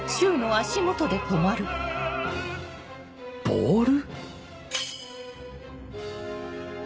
ボール？